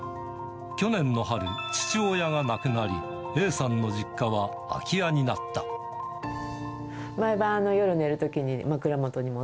去年の春、父親が亡くなり、毎晩、夜寝るときに枕元に持